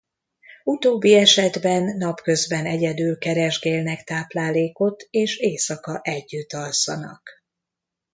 Utóbbi esetben napközben egyedül keresgélnek táplálékot és éjszaka együtt alszanak.